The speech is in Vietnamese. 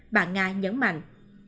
bà nga nhấn mạnh